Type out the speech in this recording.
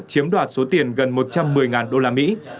chiếm đoạt số tiền gần một trăm một mươi đô la mỹ